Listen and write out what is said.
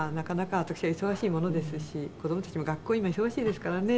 「私が忙しいものですし子供たちも学校今忙しいですからね」